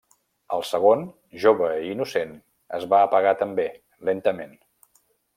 El segon, jove i innocent, es va apagar també, lentament.